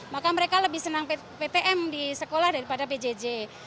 maka mereka lebih senang ptm di sekolah daripada pjj